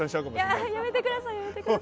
いややめてくださいやめてください。